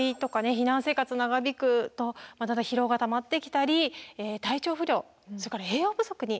避難生活長引くとだんだん疲労がたまってきたり体調不良それから栄養不足になってきます。